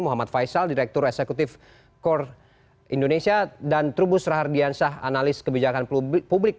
muhammad faisal direktur eksekutif kor indonesia dan trubus rahardiansah analis kebijakan publik